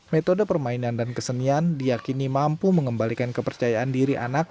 metode permainan dan kesenian diakini mampu mengembalikan kepercayaan diri anak